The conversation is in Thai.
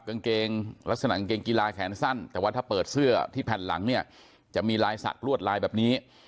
กางเกงลักษณะกางเกงกีฬาแขนสั้นแต่ว่าถ้าเปิดเสื้อที่แผ่นหลังเนี่ยจะมีลายสักลวดลายแบบนี้